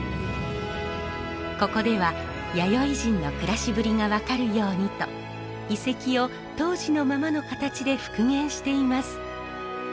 ここでは弥生人の暮らしぶりが分かるようにと遺跡を当時のままの形で復元しています。